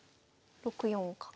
６四角。